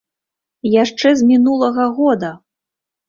Яшчэ з мінулага года!